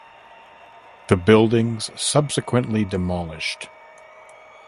The buildings subsequently demolished.